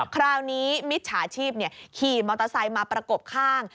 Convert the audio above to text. คราวนี้มิจฉาชีพขี่มอเตอร์ไซค์มาประกบข้าง